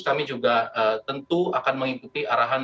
kami juga tentu akan mengikuti arahan